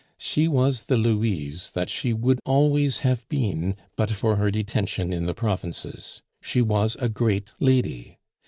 She was the Louise that she would always have been but for her detention in the provinces she was a great lady.